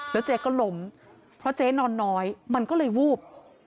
แล้วเจ๊ก็ล้มเพราะเจ๊นอนน้อยมันก็เลยวูบ